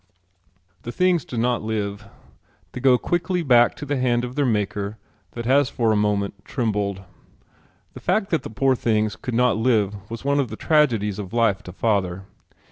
The things do not live. They go quickly back to the hand of their maker that has for a moment trembled. The fact that the poor little things could not live was one of the tragedies of life to father.